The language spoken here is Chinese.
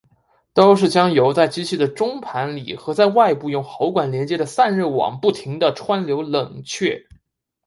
都是将油在机器的中盘里和在外部用喉管连接的散热网不停地穿流冷却。